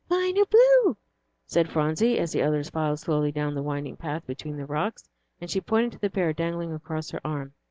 "Mine are blue," said Phronsie, as the others filed slowly down the winding path between the rocks, and she pointed to the pair dangling across her arm.